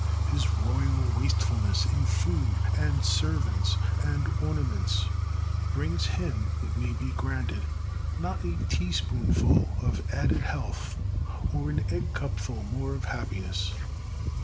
His royal wastefulness in food and servants and ornaments brings him, it may be granted, not a teaspoonful of added health or an eggcupful more of happiness.